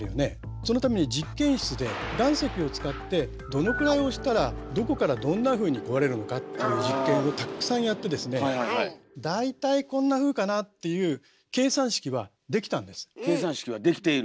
そのために実験室で岩石を使ってどのくらい押したらどこからどんなふうに壊れるのかっていう実験をたくさんやってですね大体こんなふうかなっていう計算式はできている。